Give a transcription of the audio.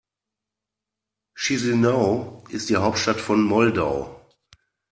Chișinău ist die Hauptstadt von Moldau.